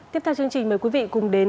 tiếp theo chương trình mời quý vị cùng đến